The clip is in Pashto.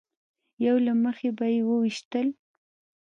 یو له مخې به یې ویشتل.